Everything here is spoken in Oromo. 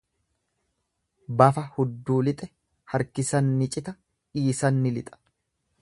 Bafa hudduu lixe, harkisan ni cita, dhiisan ni lixa.